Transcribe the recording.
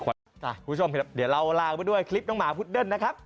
คุณผู้ชมเดี๋ยวเราลาไปด้วยคลิปน้องหมาพุดเดิ้ลนะครับ